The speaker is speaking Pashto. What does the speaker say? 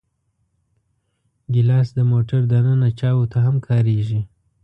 ګیلاس د موټر دننه چایو ته هم کارېږي.